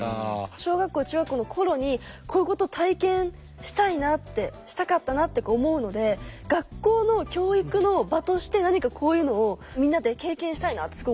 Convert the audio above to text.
小学校中学校の頃にこういうこと体験したいなってしたかったなって思うので学校の教育の場として何かこういうのをみんなで経験したいなってすごい思いましたね。